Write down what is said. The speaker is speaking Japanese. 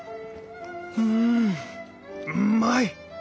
うんうまい！